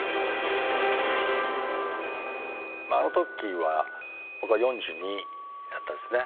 あの時は僕は４２だったんですね。